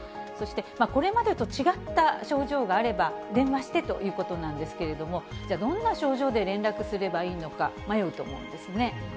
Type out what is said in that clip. そして、これまでと違った症状があれば、電話してということなんですけれども、じゃあ、どんな症状で連絡すればいいのか、迷うと思うんですね。